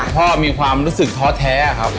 พ่อมีความรู้สึกท้อแท้ครับ